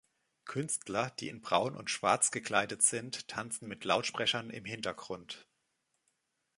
Künstler, die in Braun und Schwarz gekleidet sind, tanzen mit Lautsprechern im Hintergrund.